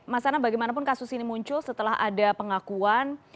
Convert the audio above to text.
mas ana bagaimanapun kasus ini muncul setelah ada pengakuan